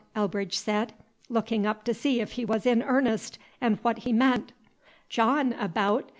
Elbridge said, looking up to see if he was in earnest, and what he meant. "Jawin' abaout?